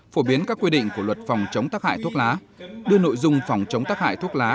phổ biến các quy định của luật phòng chống tác hại thuốc lá đưa nội dung phòng chống tác hại thuốc lá